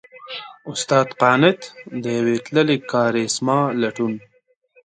استاد قانت؛ د يوې تللې کارېسما لټون!